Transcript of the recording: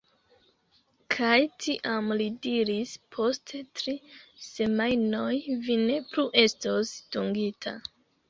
Kaj tiam li diris "Post tri semajnoj, vi ne plu estos dungita."